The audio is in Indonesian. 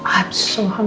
aku sangat penat